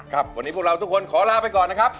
ครับวันนี้พวกเราทุกคนขอลาไปก่อนนะครับ